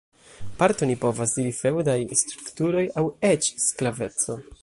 Parte oni povas diri feŭdaj strukturoj aŭ eĉ sklaveco.